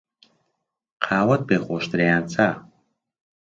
قاوەت پێ خۆشترە یان چا؟